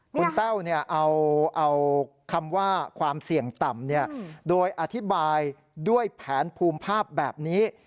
คุณแต้วเอาคำว่าความเสี่ยงต่ำโดยอธิบายด้วยแผนภูมิภาพแบบนี้